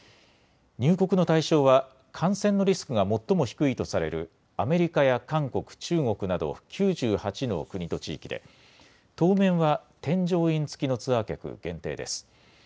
入国の対象は感染のリスクが最も低いとされるアメリカや韓国、中国など９８の国と地域で、当面は添乗員付きのツアー客限定です。